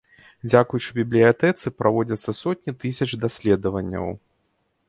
Дзякуючы бібліятэцы праводзяцца сотні тысяч даследаванняў.